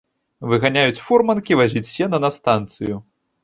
Выганяюць фурманкі вазіць сена на станцыю.